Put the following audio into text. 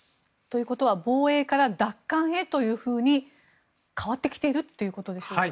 ということは防衛から奪還へというふうに変わってきているということでしょうか。